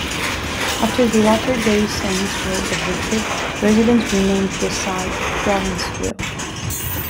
After the Latter Day Saints were evicted, residents renamed the site Cravensville.